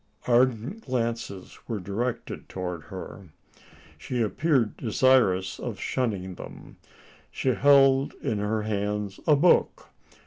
Ardent glances were directed towards her. She appeared desirous of shunning them. She held in her hands a book.